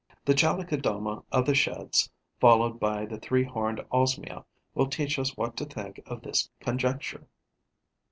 The Chalicodoma of the Sheds, followed by the Three horned Osmia, will teach us what to think of this conjecture.